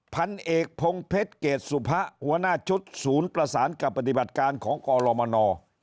พันเอกพงเพชรเกรดสุพะหัวหน้าชุดศูนย์ประสานกับปฏิบัติการของกรมน